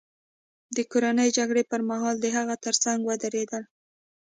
د کورنۍ جګړې پرمهال د هغه ترڅنګ ودرېدل.